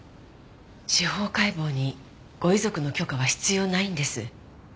司法解剖にご遺族の許可は必要ないんです。